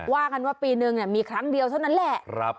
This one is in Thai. ว่ากันว่าปีนึงมีครั้งเดียวเท่านั้นแหละ